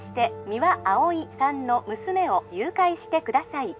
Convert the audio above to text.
☎三輪碧さんの娘を誘拐してください